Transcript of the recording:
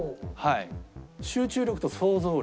集中力と想像力。